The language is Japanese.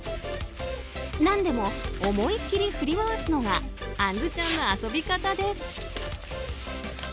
何でも、思いっきり振り回すのがあんずちゃんの遊び方です。